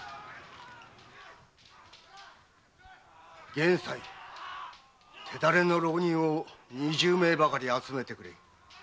玄斉手だれの浪人を二十名ばかり集めてくれ。